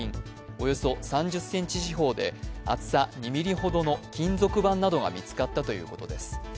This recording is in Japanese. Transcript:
およそ３０センチ四方で厚さ２ｍｍほどの金属板などが見つかったということですす。